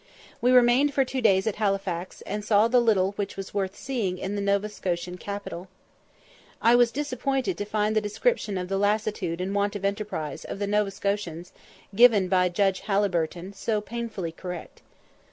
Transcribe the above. We remained for two days at Halifax, and saw the little which was worth seeing in the Nova Scotian capital. I was disappointed to find the description of the lassitude and want of enterprise of the Nova Scotians, given by Judge Halliburton, so painfully correct.